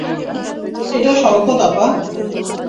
এইটা শওকত আপা।